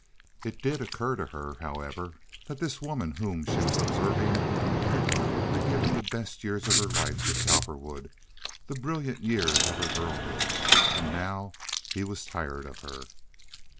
It did occur to her, however, that this woman whom she was observing had probably given the best years of her life to Cowperwood—the brilliant years of her girlhood. And now he was tired of her!